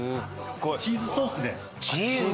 チーズソース！